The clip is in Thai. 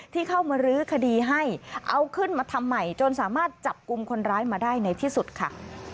ที่เข้ามารื้อคดีให้เอาขึ้นมาทำใหม่จนสามารถจับกลุ่มคนร้ายมาได้ในที่สุดค่ะ